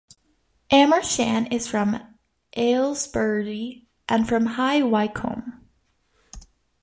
Amersham is from Aylesbury and from High Wycombe.